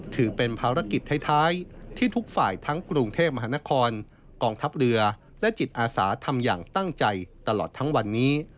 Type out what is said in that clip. ถือเป็นภารกิจท้ายที่ทุกฝ่ายทั้งกรุงเทพมหานครกองทัพเรือและจิตอาสาทำอย่างตั้งใจตลอดทั้งวันนี้